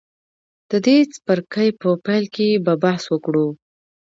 د دې څپرکي په پیل کې به بحث وکړو.